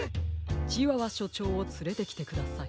チワワしょちょうをつれてきてください。